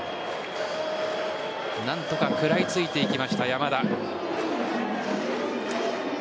何とか食らいついていきました山田。